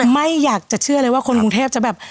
คือไม่อยากเชื่อเลยว่าคนกรุงเทพจันทร์จะแบบ